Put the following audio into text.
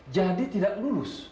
jadi tidak lulus